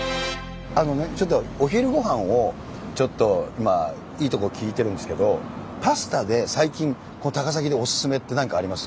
あのねちょっとお昼ごはんを今いいとこを聞いてるんですけどパスタで最近この高崎でおすすめって何かあります？